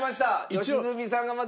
良純さんがまず押した。